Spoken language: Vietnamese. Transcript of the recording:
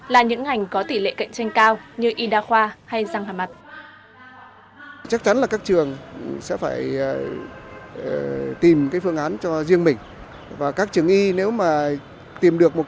là những ngành có tỷ lệ cao